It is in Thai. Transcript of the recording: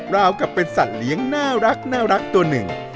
ราวกับเป็นสัตว์เลี้ยงน่ารักตัวหนึ่ง